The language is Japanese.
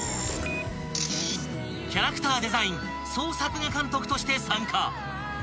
［キャラクターデザイン・総作画監督として参加］